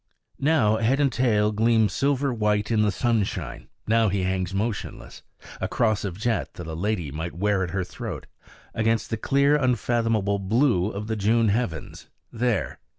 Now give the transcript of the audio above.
Now head and tail gleam silver white in the sunshine now he hangs motionless, a cross of jet that a lady might wear at her throat, against the clear, unfathomable blue of the June heavens there!